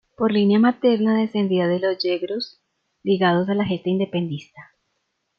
Por línea materna descendía de los Yegros, ligados a la gesta independentista.